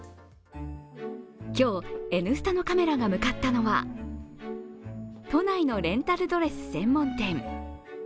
今日「Ｎスタ」のカメラが向かったのは都内のレンタルドレス専門店。